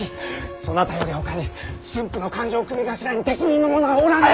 そなたよりほかに駿府の勘定組頭に適任の者はおらぬ！